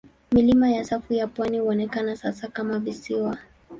Milima ya safu ya pwani huonekana sasa kama visiwa.